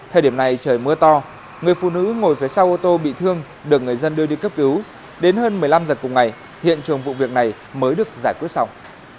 thời điểm này trời mưa to người phụ nữ ngồi phía sau ô tô bị thương được người dân đưa đi cấp cứu đến hơn một mươi năm h cùng ngày hiện trường vụ việc này mới được giải quyết xong